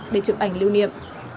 để chụp ảnh lưu niệm